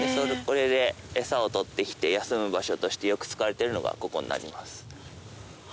これでエサを取って来て休む場所としてよく使われてるのがここになります。